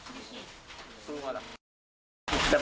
จะไปฉีดไหมครับ